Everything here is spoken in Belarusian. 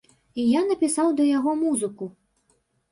І я напісаў да яго музыку.